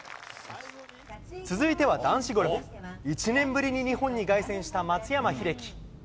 続いては男子ゴルフ、１年ぶりに日本に凱旋した松山英樹。